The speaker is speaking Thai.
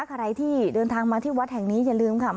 ใครที่เดินทางมาที่วัดแห่งนี้อย่าลืมค่ะ